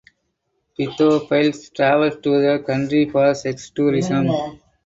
Pedophiles travel to the country for sex tourism.